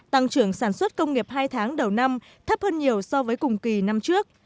tăng trưởng sản xuất công nghiệp hai tháng đầu năm thấp hơn nhiều so với cùng kỳ năm trước